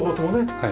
はい。